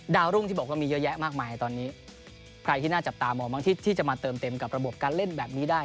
รุ่งที่บอกว่ามีเยอะแยะมากมายตอนนี้ใครที่น่าจับตามองบ้างที่จะมาเติมเต็มกับระบบการเล่นแบบนี้ได้